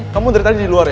kamu dari tadi di luar ya